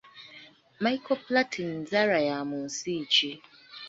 Michel Platin nzaalwa ya mu nsi ki?